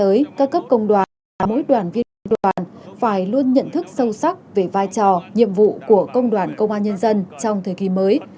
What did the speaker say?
thời gian tới các cấp công đoàn và mỗi đoàn viên công an nhân dân phải luôn nhận thức sâu sắc về vai trò nhiệm vụ của công đoàn công an nhân dân trong thời kỳ mới